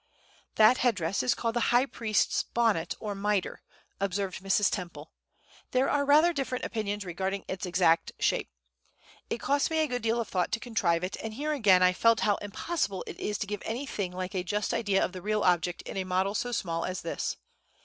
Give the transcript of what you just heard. "That head dress is called the high priest's bonnet or mitre," observed Mrs. Temple. "There are rather different opinions regarding its exact shape. It cost me a good deal of thought to contrive it, and here again I felt how impossible it is to give anything like a just idea of the real object in a model so small as this.